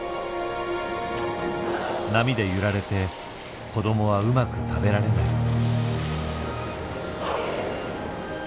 波で揺られて子供はうまく食べられない。